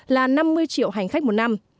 là năm mươi triệu hành khách một năm